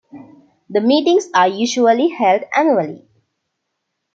The meetings are usually held annually.